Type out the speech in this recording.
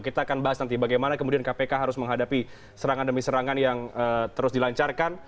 kita akan bahas nanti bagaimana kemudian kpk harus menghadapi serangan demi serangan yang terus dilancarkan